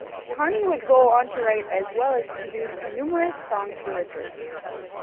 Tarney would go on to write as well as produce numerous songs for Richard.